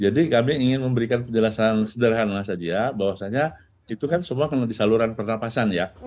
jadi kami ingin memberikan penjelasan sederhana saja bahwasanya itu kan semua kena di saluran pernafasan ya